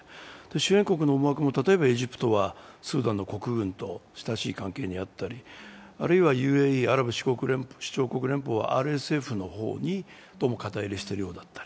周辺国の思惑はエジプトスーダンの国軍と親しい関係にあったりあるいはＵＡＥ＝アラブ首長国連邦はＲＳＦの方にどうも肩入れしているようだったり。